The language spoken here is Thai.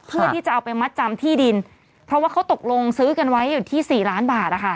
เพื่อที่จะเอาไปมัดจำที่ดินเพราะว่าเขาตกลงซื้อกันไว้อยู่ที่สี่ล้านบาทนะคะ